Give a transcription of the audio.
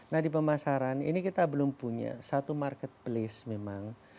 nah di pemasaran ini kita belum punya satu marketplace memang